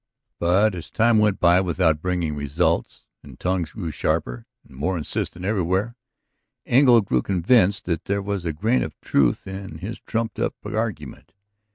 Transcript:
But as time went by without bringing results and tongues grew sharper and more insistent everywhere, Engle grew convinced that there was a grain of truth in his trumped up argument.